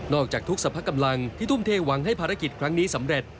จากทุกสรรพกำลังที่ทุ่มเทหวังให้ภารกิจครั้งนี้สำเร็จ